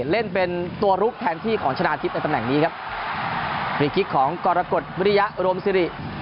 เล่นเป็นตัวลุกแทนที่ของชนะทิพย์ในตำแหน่งนี้ครับพรีคลิกของกรกฎวิริยะรวมสิริ